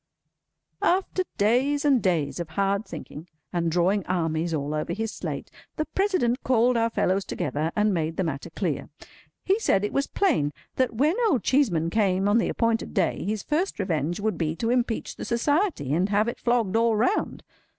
After days and days of hard thinking, and drawing armies all over his slate, the President called our fellows together, and made the matter clear. He said it was plain that when Old Cheeseman came on the appointed day, his first revenge would be to impeach the Society, and have it flogged all round.